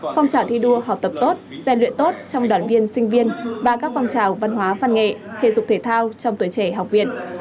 phong trào thi đua học tập tốt gian luyện tốt trong đoàn viên sinh viên và các phong trào văn hóa văn nghệ thể dục thể thao trong tuổi trẻ học viện